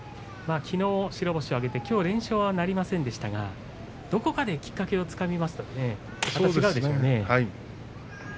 きのう白星を挙げてきょうは連勝はなりませんでしたがどこかできっかけをつかみますとまた違うでしょうね。